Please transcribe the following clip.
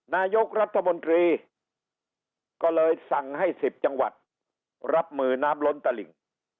นายกรัฐมนตรีก็เลยสั่งให้๑๐จังหวัดรับมือน้ำล้นตลิ่ง